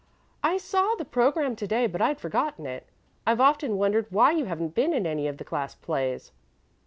I saw the program to day, but I'd forgotten it. I've often wondered why you haven't been in any of the class plays."